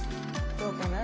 どうかな？